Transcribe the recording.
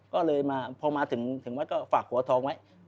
ก็เลยมาพอมาถึงวัดก็ฝากหัวทองไว้